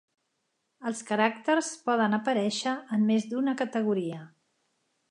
Els caràcters poden aparèixer en més d'una categoria.